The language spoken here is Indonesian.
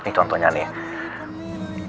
nih contohnya nih